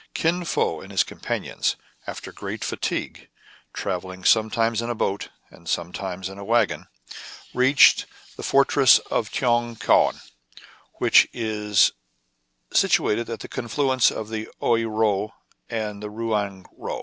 Kin Fo and his companions, after great fatigue, travelling some times in a boat and sometimes in a wagon, reached the fortress of Tong^Kouan, which is situated at the confluence of the Ouei Ro and the Rouang Ro.